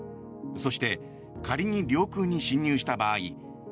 そして、仮に領空に侵入した場合